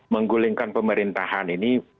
menggulingkan pemerintahan ini